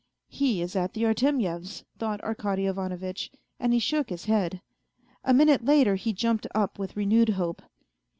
" He is at the Artemyevs," thought Arkady Ivanovitch, and he shook his head. A minute later he jumped up with renewed hope.